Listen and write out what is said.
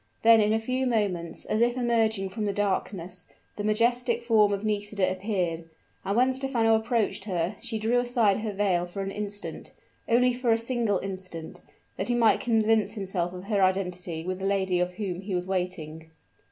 Then, in a few moments, as if emerging from the darkness, the majestic form of Nisida appeared; and when Stephano approached her, she drew aside her veil for an instant only for a single instant, that he might convince himself of her identity with the lady for whom he was waiting.